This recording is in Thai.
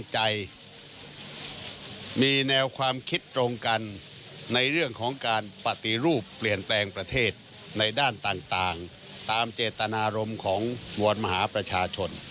ให้กับในแปลตนารมณ์ของวัลมหาประชาชน